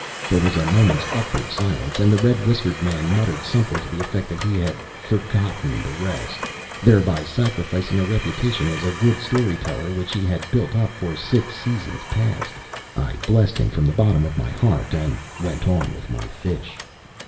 There was a moment's awkward silence, and the red whiskered man muttered something to the effect that he had "forgotten the rest," thereby sacrificing a reputation as a good story teller which he had built up for six seasons past. I blessed him from the bottom of my heart, and went on with my fish.